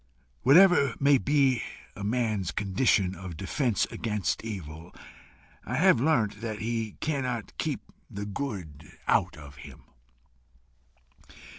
Whatever may be a man's condition of defence against evil, I have learnt that he cannot keep the good out of him.